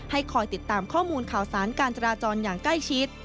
คอยติดตามข้อมูลข่าวสารการจราจรอย่างใกล้ชิด